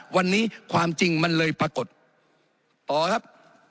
วันนี้ความจริงมันเลยปรากฏอ๋อครับ